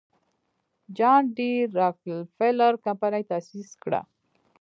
جان ډي راکلفیلر کمپنۍ تاسیس کړه.